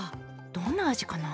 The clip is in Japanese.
どんな味かな？